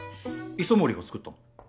磯森が作ったの？